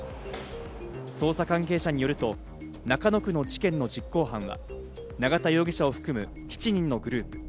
捜査関係者によると、中野区の事件の実行犯は永田容疑者を含む７人のグループ。